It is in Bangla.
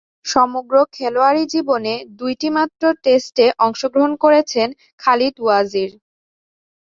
সমগ্র খেলোয়াড়ী জীবনে দুইটিমাত্র টেস্টে অংশগ্রহণ করেছেন খালিদ ওয়াজির।